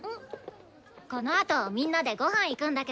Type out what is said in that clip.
このあとみんなでごはん行くんだけど